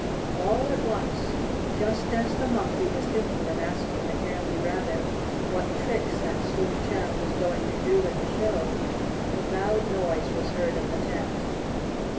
All at once, just as the Monkey was thinking of asking the Candy Rabbit what tricks that sweet chap was going to do in the show, a loud noise was heard in the tent.